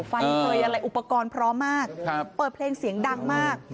ไฟเคยอะไรอุปกรณ์พร้อมมากเปิดเพลงเสียงดังมาก